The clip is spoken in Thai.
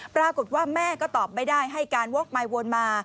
ปรากฏว่าแม่ก็ตอบไม่ได้ให้การวกมายวนมา